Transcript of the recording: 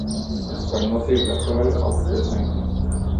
Verden var triveligere før alt ble stengt ned.